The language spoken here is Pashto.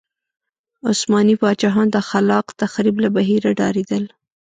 عثماني پاچاهان د خلاق تخریب له بهیره ډارېدل.